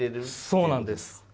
そうなんです。